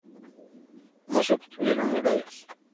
No se obtuvieron medallas.